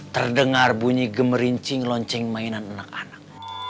terdengar bunyi gemerincing lonceng mainan anak anak